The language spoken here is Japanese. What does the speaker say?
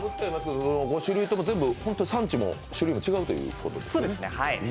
５種類とも産地も種類も全部違うっていうことですよね。